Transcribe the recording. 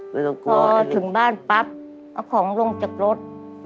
พอถึงบ้านปั๊บเอาของลงจากรถ